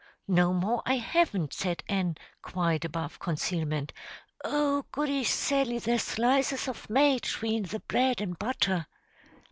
"No more I haven't," said Ann, quite above concealment. "Oh, goody, Sally, there's slices of mate atween the bread an' butter!"